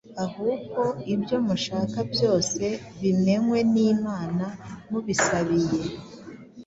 ahubwo ibyo mushaka byose bimenywe n’Imana, mubisabiye,